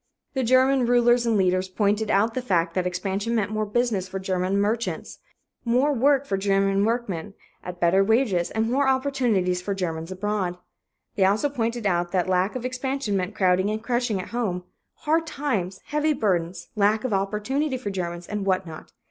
The German rulers and leaders pointed out the fact that expansion meant more business for German merchants, more work for German workmen at better wages, and more opportunities for Germans abroad. They also pointed out that lack of expansion meant crowding and crushing at home, hard times, heavy burdens, lack of opportunity for Germans, and what not.